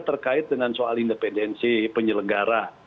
terkait dengan soal independensi penyelenggara